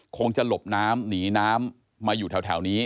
คงจะหลบน้ำหนีน้ำมาอยู่แถวนี้